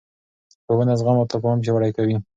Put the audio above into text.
ښوونه زغم او تفاهم پیاوړی کوي